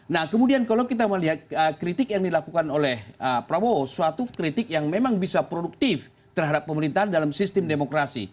nah kemudian kalau kita melihat kritik yang dilakukan oleh prabowo suatu kritik yang memang bisa produktif terhadap pemerintahan dalam sistem demokrasi